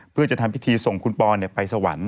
เพื่อจะทำพิธีส่งคุณปอนไปสวรรค์